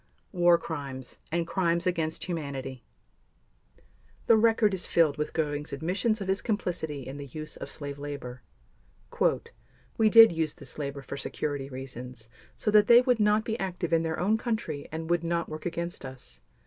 War Crimes and Crimes against Humanity The record is filled with Göring's admissions of his complicity in the use of slave labor. "We did use this labor for security reasons so that they would not be active in their own country and would not work against us.